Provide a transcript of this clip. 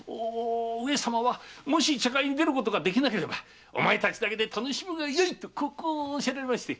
上様は「もし茶会に出ることができなければお前たちだけで楽しむがよい」とこうおっしゃられまして。